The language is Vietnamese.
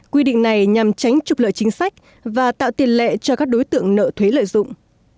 quy định này nhằm tránh trục lợi chính sách và tạo tiền lệ cho các đối tượng nợ thuế lợi dụng